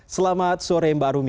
selamat sore mbak arumi